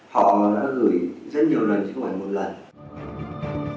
họ đã gửi rất nhiều lần chứ không phải một lần